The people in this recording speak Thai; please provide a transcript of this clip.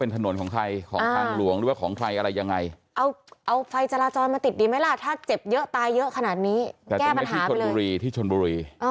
ตรงนี้ที่ชนบุรีที่ชนบุรี